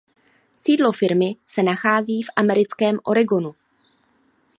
Sídlo firmy se nachází v americkém Oregonu.